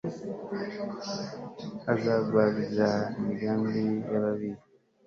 Azagwabiza imigambi yababi